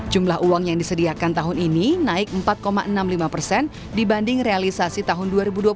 jumlah uang yang disediakan tahun ini naik empat enam puluh lima persen dibanding realisasi tahun dua ribu dua puluh satu